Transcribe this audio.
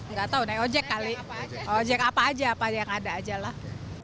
nggak tahu naik ojek kali ojek apa aja apa yang ada aja lah